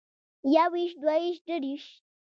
يوويشت دوويشت درويشت